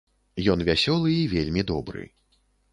Ён вясёлы і вельмі добры.